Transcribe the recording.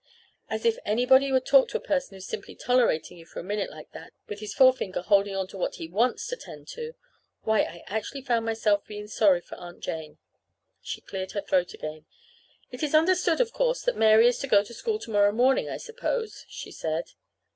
As if anybody could talk to a person who's simply tolerating you for a minute like that, with his forefinger holding on to what he wants to tend to! Why, I actually found myself being sorry for Aunt Jane. She cleared her throat again. "It is understood, of course, that Mary is to go to school to morrow morning, I suppose," she said.